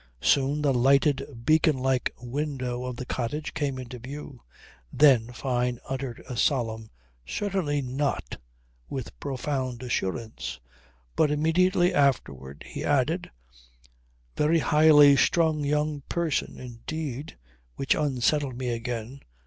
Soon the lighted beacon like window of the cottage came into view. Then Fyne uttered a solemn: "Certainly not," with profound assurance. But immediately after he added a "Very highly strung young person indeed," which unsettled me again.